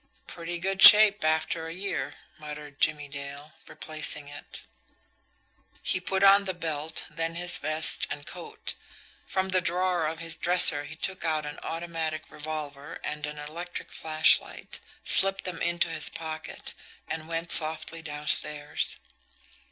"Pretty good shape after a year," muttered Jimmie Dale, replacing it. He put on the belt, then his vest and coat. From the drawer of his dresser he took an automatic revolver and an electric flashlight, slipped them into his pocket, and went softly downstairs.